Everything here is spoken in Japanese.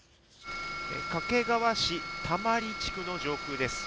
掛川市満水地区の上空です。